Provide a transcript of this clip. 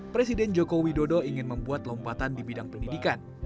presiden joko widodo ingin membuat lompatan di bidang pendidikan